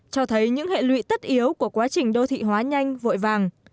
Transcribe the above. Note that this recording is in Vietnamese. cho thấy những hệ lụy tất yếu của quá trình đô thị hóa nhanh vội vàng